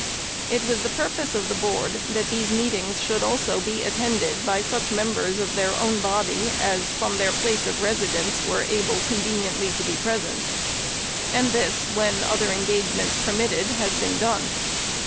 It was the purpose of the Board, that these meetings should also be attended by such members of their own body, as from their place of residence were able conveniently to be present ; and this, when other engagements permitted, has been done.